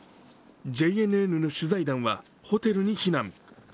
ＪＮＮの取材団はホテルに避難。